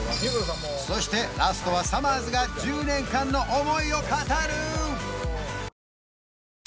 そしてラストはさまぁずが１０年間の思いを語る！